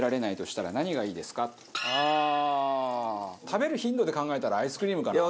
食べる頻度で考えたらアイスクリームかな。